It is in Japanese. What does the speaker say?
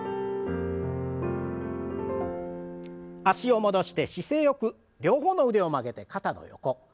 脚を戻して姿勢よく両方の腕を曲げて肩の横。